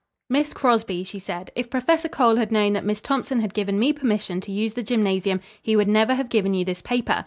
"Miss Crosby," she said, "if Professor Cole had known that Miss Thompson had given me permission to use the gymnasium, he would never have given you this paper.